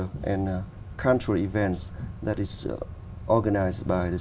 là người phát triển